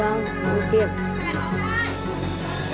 ไม่ออกไปเจียบ